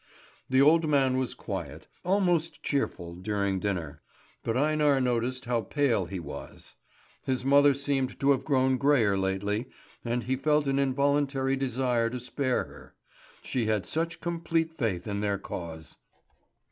The old man was quiet, almost cheerful, during dinner; but Einar noticed how pale he was. His mother seemed to have grown greyer lately, and he felt an involuntary desire to spare her; she had such complete faith in their cause.